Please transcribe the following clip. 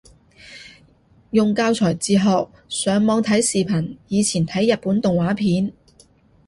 用教材自學，上網睇視頻，以前睇日本動畫片